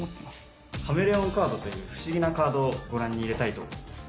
カメレオンカードという不思議なカードをご覧に入れたいと思います。